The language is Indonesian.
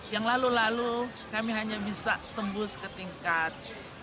yang lalu lalu kami hanya bisa tembus ke tingkat